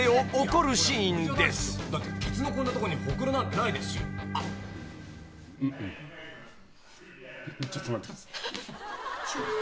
「だってケツのこんなとこにほくろなんてないですし」